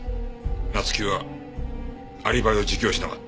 松木はアリバイを自供しなかった。